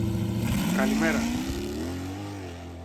Καλημέρα